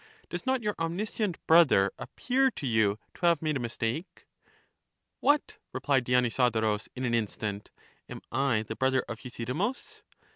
Does not your omniscient brother ap pear to you to have made a mistake ? What, replied Dionysodorus in an instant; am I the brother of Euthydemus?